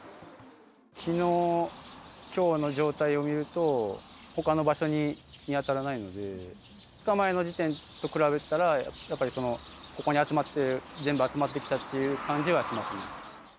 きのう、きょうの状態を見ると、ほかの場所に見当たらないので、２日前の時点と比べたら、やっぱりここに集まって、全部集まってきたっていう感じはします